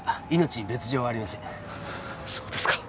そうですか。